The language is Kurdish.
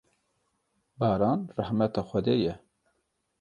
Baran rehmeta Xwedê ye.